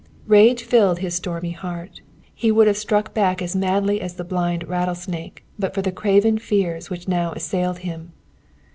Rage filled his stormy heart; he would have struck back as madly as the blind rattlesnake but for the craven fears which now assailed him.